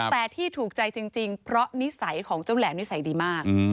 แต่ที่ถูกใจจริงเพราะนิสัยของเจ้าแหลมนิสัยดีมาก